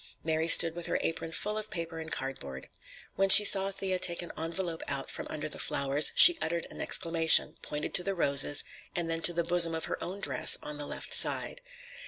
Mary stood with her apron full of paper and cardboard. When she saw Thea take an envelope out from under the flowers, she uttered an exclamation, pointed to the roses, and then to the bosom of her own dress, on the left side.